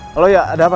halo ya ada apa